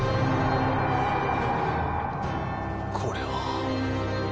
これは。